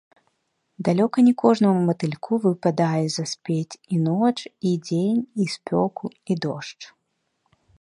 Далёка не кожнаму матыльку выпадае заспець і ноч, і дзень, і спёку і дождж.